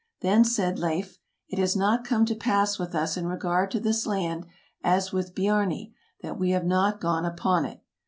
Then said Leif, " It has not come to pass with us in regard to this land as with Biarni, that we have not gone upon it.